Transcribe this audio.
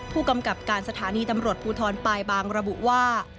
ผู้กำกับการสถานีตำรวจภูทรปลายบางระบุว่า